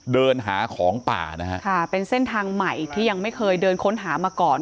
เดินหาของป่านะฮะค่ะเป็นเส้นทางใหม่ที่ยังไม่เคยเดินค้นหามาก่อน